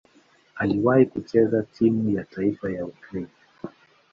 Aliwahi kucheza timu ya taifa ya Ukraine.